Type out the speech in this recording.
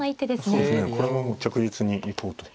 そうですねこれも着実に行こうと。